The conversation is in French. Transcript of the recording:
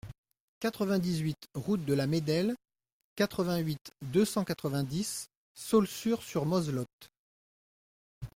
quatre-vingt-dix-huit route de la Médelle, quatre-vingt-huit, deux cent quatre-vingt-dix, Saulxures-sur-Moselotte